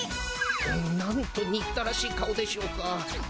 なんと憎たらしい顔でしょうか